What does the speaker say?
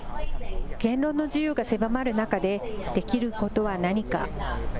言論の自由が狭まる中でできることは何か。